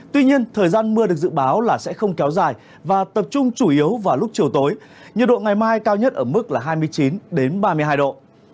tuy nhiên thời gian mưa được dự báo là sẽ không kéo dài và tập trung chủ yếu vào lúc chiều tối nhiệt độ ngày mai cao nhất ở mức hai mươi chín ba mươi hai độ